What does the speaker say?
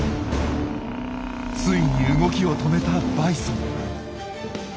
ついに動きを止めたバイソン。